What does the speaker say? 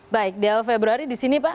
baik di awal februari di sini pak